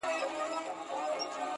لومړی ملګری د ډاکټرانو-